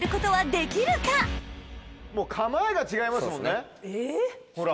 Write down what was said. もう構えが違いますもんねほら。